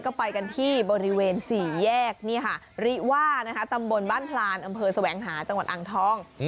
ก็ไปกันที่บริเวณสี่แยกริว่าตำบลบ้านพลานอำเภอแสวงหาจังหวัดอ่างทอง